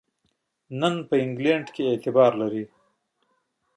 نن په انګلینډ کې اعتبار لري.